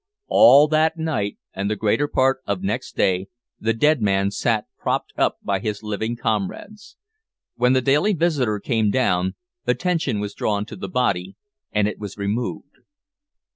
All that night and the greater part of next day the dead man sat propped up by his living comrades. When the daily visitor came down, attention was drawn to the body and it was removed.